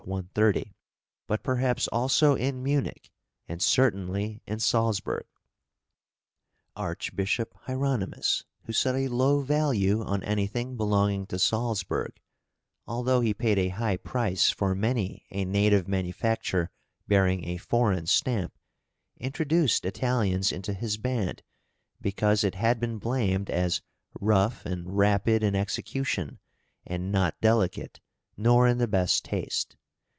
130), but perhaps also in Munich, and certainly in Salzburg. Archbishop Hieronymus, who set a low value on anything belonging to Salzburg, although he paid a high price for many a native manufacture bearing a foreign stamp, introduced Italians into his band, because it had been blamed as "rough and rapid in execution, and not delicate nor in the best taste."